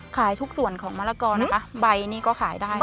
ขายทุกส่วนของมะละกอนะคะใบนี้ก็ขายได้